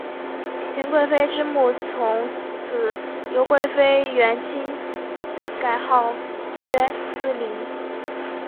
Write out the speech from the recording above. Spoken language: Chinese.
田贵妃之墓从此由贵妃园寝改号曰思陵。